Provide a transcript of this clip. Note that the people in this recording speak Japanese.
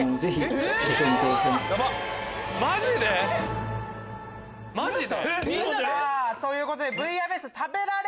マジで⁉マジで？ということで。